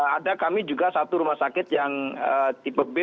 ada kami juga satu rumah sakit yang tipe b